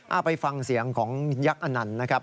ไปฟังเสียงของยักษ์อนันต์นะครับ